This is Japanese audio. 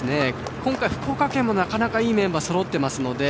今回、福岡県もなかなかいいメンバーがそろっていますので。